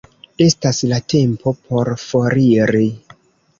Estas la tempo por foriri.